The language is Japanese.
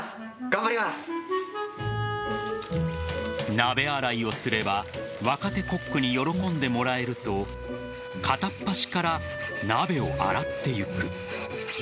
鍋洗いをすれば若手コックに喜んでもらえると片っ端から鍋を洗っていく。